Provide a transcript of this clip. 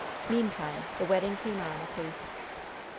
Meantime the wedding came on apace.